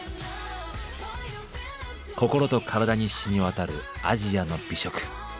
心と体に染み渡るアジアの美食。